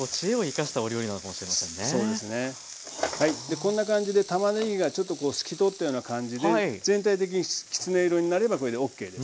こんな感じでたまねぎがちょっとこう透き通ったような感じで全体的にきつね色になればこれでＯＫです。